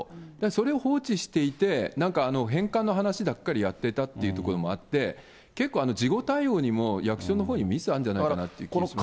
それを放置していて、なんか返還の話ばっかりやってたというところで、結構、事後対応にも役所のほうにミスがあるんじゃないかなと思いますね。